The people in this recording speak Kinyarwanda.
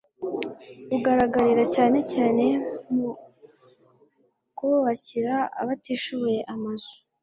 bugaragarira cyane cyane mu kubakira abatishoboye amazu